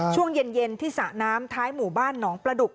ช่วงเย็นที่สระน้ำท้ายหมู่บ้านหนองประดุก